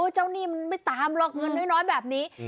หนี้มันไม่ตามหรอกเงินน้อยแบบนี้